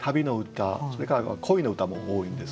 それから恋の歌も多いんですね。